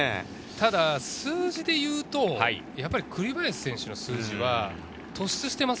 数字でいうと、やっぱり栗林選手の数字は突出しています。